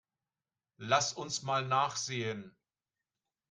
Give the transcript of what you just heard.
Lass uns mal nachsehen.